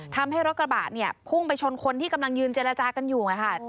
ทำให้รถกระบะเนี่ยพุ่งไปชนคนที่กำลังยืนเจรจากันอยู่ค่ะ